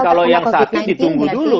kalau yang satu ditunggu dulu